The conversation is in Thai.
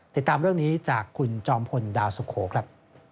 ติดตามเรื่องนี้จากคุณจอมพลดาวสุโขครับ